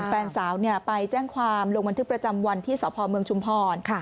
แฟนสาวไปแจ้งความลงบันทึกประจำวันที่สพเมืองชุมพร